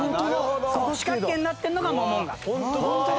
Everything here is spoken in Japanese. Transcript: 四角形になってるのがモモンガ。